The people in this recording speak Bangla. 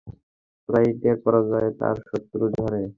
কুরাইশদের পরাজয়ে তার অশ্রু ঝরে।